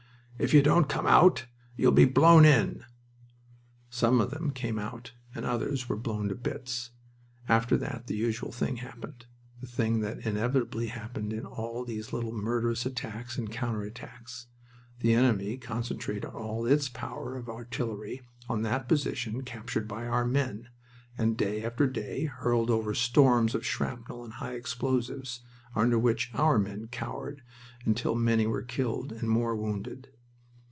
"If you don't come out you'll be blown in." Some of them came out and others were blown to bits. After that the usual thing happened, the thing that inevitably happened in all these little murderous attacks and counter attacks. The enemy concentrated all its power of artillery on that position captured by our men, and day after day hurled over storms of shrapnel and high explosives, under which our men cowered until many were killed and more wounded.